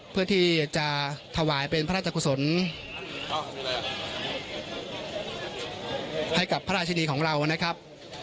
เพื่อที่จะถวายเป็นพระราชกุศลให้กับพระราชินีของเรานะครับ